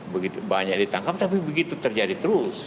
begitu banyak ditangkap tapi begitu terjadi terus